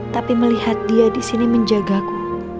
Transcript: tapi melihat dia disini menjagaku